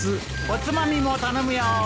おつまみも頼むよ。